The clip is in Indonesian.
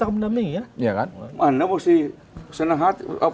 pasti akan mendampingi ya